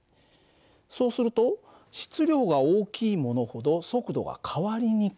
そうすると質量が大きいものほど速度が変わりにくい。